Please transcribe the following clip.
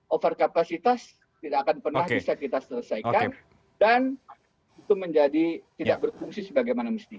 over kapasitas tidak akan pernah bisa kita selesaikan dan itu menjadi tidak berfungsi sebagaimana mestinya